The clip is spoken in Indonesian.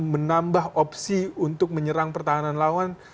menambah opsi untuk menyerang pertahanan lawan